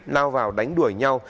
lao vào đánh đuổi nhau